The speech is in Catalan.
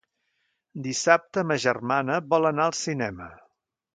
Dissabte ma germana vol anar al cinema.